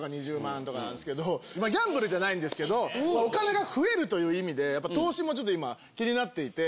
ギャンブルじゃないんですけどお金が増えるという意味で投資もちょっと今気になっていて。